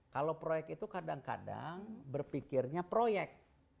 kalau proyek itu kadang kadang berpikirnya proyek